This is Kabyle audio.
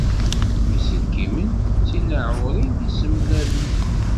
Iselkimen d tinaɛurin tisemlalin.